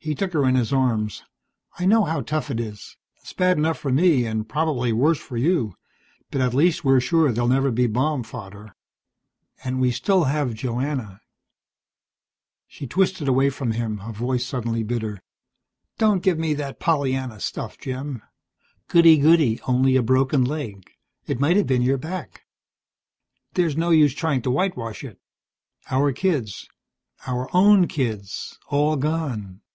_ He took her in his arms. "I know how tough it is. It's bad enough for me, and probably worse for you. But at least we're sure they'll never be bomb fodder. And we still have Joanna." She twisted away from him, her voice suddenly bitter. "Don't give me that Pollyanna stuff, Jim. 'Goody, goody, only a broken leg. It might have been your back.' There's no use trying to whitewash it. Our kids, our own kids, all gone.